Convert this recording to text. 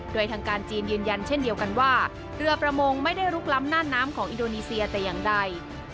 โดยทางการจีนยืนยันเช่นเดียวกันว่าเรือประมงไม่ได้ลุกล้ำน่านน้ำของอินโดนีเซียแต่อย่างใด